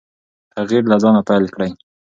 تغیر له ځانه پیل کړئ.